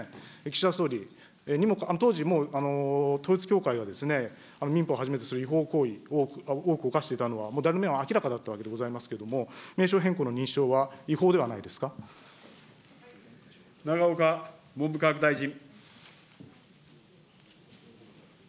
岸田総理、当時、もう統一教会は民法はじめとする違法行為を多く犯していたのは、誰の目にも明らかだったわけですけれども、名称変更の認証は違法永岡文部科学大臣。